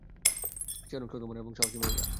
সে অনেক শক্ত মনের এবং সাহসী মহিলা।